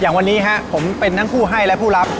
วันนี้ครับผมเป็นทั้งผู้ให้และผู้รับ